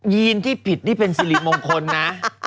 ีนที่ผิดนี่เป็นสิริมงคลนะ